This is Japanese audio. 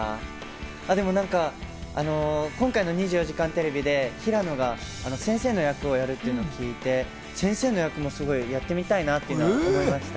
今回の『２４時間テレビ』で平野が先生の役をやると聞いて、先生の役もすごいやってみたいなって思いました。